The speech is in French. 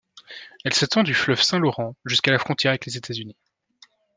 Elle s'étend du fleuve Saint-Laurent jusqu'à la frontière avec les États-Unis.